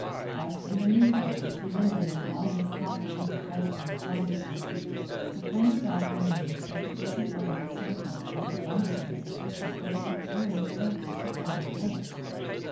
But, in the meantime, eliminating all this complicated question of climatic change, the plain fact remains that the present rain and snowfall is abundantly sufficient for the luxuriant growth of sequoia forests.